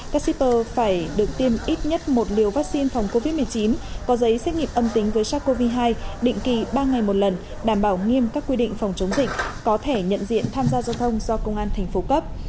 ca shipper phải được tiêm ít nhất một liều vaccine phòng covid một mươi chín có giấy xét nghiệm âm tính với sars cov hai định kỳ ba ngày một lần đảm bảo nghiêm các quy định phòng chống dịch có thể nhận diện tham gia giao thông do công an thành phố cấp